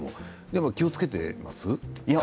気をつけていますか？